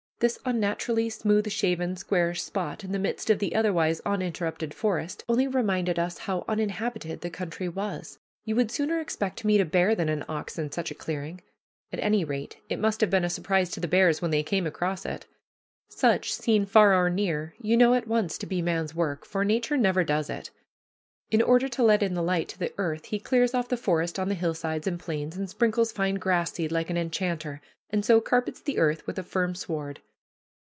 This unnaturally smooth shaven, squarish spot, in the midst of the otherwise uninterrupted forest, only reminded us how uninhabited the country was. You would sooner expect to meet a bear than an ox in such a clearing. At any rate, it must have been a surprise to the bears when they came across it. Such, seen far or near, you know at once to be man's work, for Nature never does it. In order to let in the light to the earth he clears off the forest on the hillsides and plains, and sprinkles fine grass seed like an enchanter, and so carpets the earth with a firm sward.